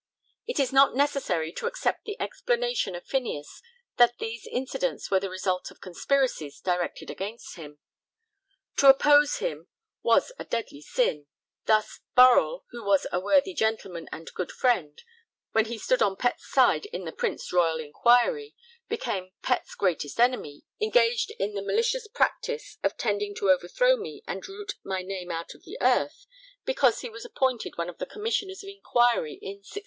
It is not necessary to accept the explanation of Phineas that these incidents were the results of conspiracies directed against him. To oppose him was a deadly sin; thus, Burrell, who was 'a worthy gentleman and good friend' when he stood on Pett's side in the Prince Royal inquiry, became Pett's 'greatest enemy,' engaged in the 'malicious practice' of 'tending to overthrow me and root my name out of the earth' because he was appointed one of the Commissioners of Inquiry in 1618.